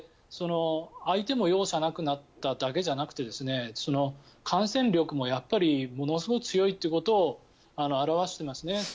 相手も容赦なくなっただけじゃなくて感染力もやっぱりものすごい強いということを表していますね。